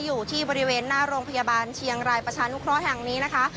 อยู่ที่บริเวณหน้าโรงพยาบาลเชียงรายประชานุเคราะห์แห่งนี้นะคะ